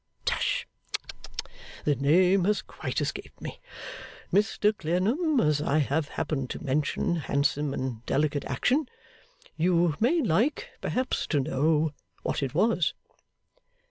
Tush! The name has quite escaped me. Mr Clennam, as I have happened to mention handsome and delicate action, you may like, perhaps, to know what it was.